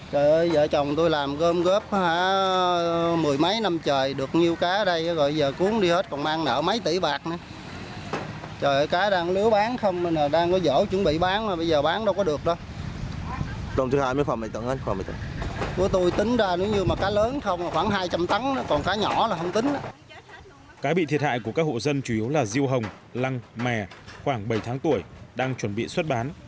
cá bị thiệt hại của các hộ dân chủ yếu là diêu hồng lăng mè khoảng bảy tháng tuổi đang chuẩn bị xuất bán